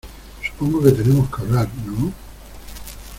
supongo que tenemos que hablar, ¿ no?